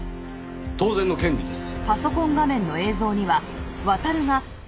当然の権利です。